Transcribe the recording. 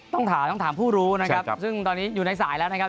ต้องถามต้องถามผู้รู้นะครับซึ่งตอนนี้อยู่ในสายแล้วนะครับ